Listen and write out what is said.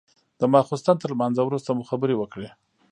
د ماخستن تر لمانځه وروسته مو خبرې وكړې.